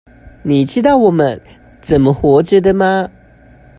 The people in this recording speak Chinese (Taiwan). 你知道我們怎麼活著的嗎？